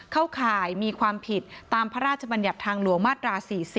ข่ายมีความผิดตามพระราชบัญญัติทางหลวงมาตรา๔๐